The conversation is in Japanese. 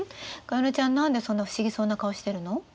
加弥乃ちゃん何でそんな不思議そうな顔してるの？